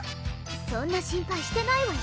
そんな心配してないわよ